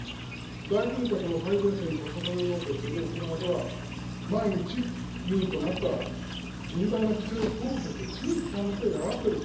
大軍拡の最前線に立たされようとしている沖縄では、万一、有事となったら、甚大な犠牲を被るとして、強い批判の声が上がっている。